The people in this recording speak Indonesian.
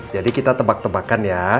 jadi kita tebak tebakan ya